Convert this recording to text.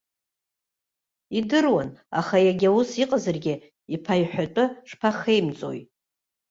Идыруан, аха иагьа ус иҟазаргьы, иԥа иҳәатәы шԥахеимҵои.